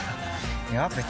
いや別に。